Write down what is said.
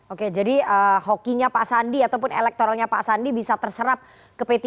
oke jadi hokinya pak sandi ataupun elektoralnya pak sandi bisa terserap ke p tiga